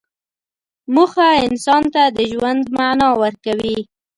موخه انسان ته د ژوند معنی ورکوي.